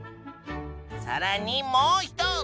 さらにもう一つ！